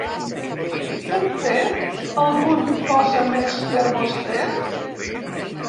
Puc fer algun cosa més per vostè?